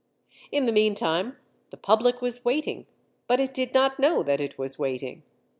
In the meantime, the public was waiting, but it did not know that it was waiting.